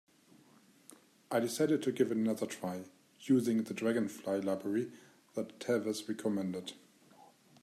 I decided to give it another try, using the Dragonfly library that Tavis recommended.